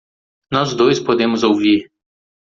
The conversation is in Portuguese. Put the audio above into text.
Nós dois podemos ouvir.